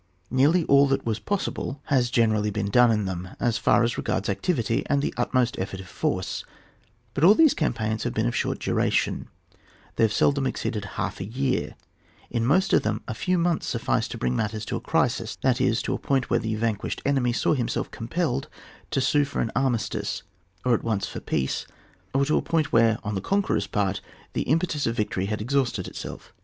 Nearly all that was possible has generally been 40 ON WAR. [book t. done in tliem, as far as regards activity and the utmost effort of force ; but all these campaigns have been of short dura tion, they have seldom exceeded half a year ; in most of them a few months suf ficed to bring matters to a crisiSi that is, to a point where the vanquished enemy saw himself compelled to sue for an ar mistice or at once for peace, or to a point where, on the conqueror's part, the im petus of victory had exhausted itself.